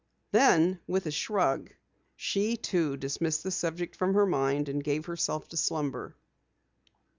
Then, with a shrug, she too dismissed the subject from her mind and gave herself to slumber.